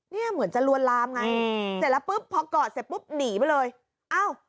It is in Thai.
เนี่ยเหมือนจะลวนลามไงพอกอดเสร็จปุ๊บหนีไปเลยเอ้า